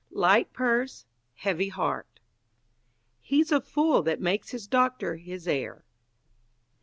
Light purse, heavy heart. He's a fool that makes his doctor his heir.